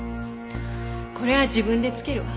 これは自分で付けるわ。